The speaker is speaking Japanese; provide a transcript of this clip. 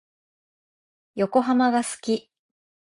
横浜が好き。